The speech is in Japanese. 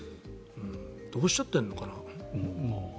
どうしちゃっているのかな。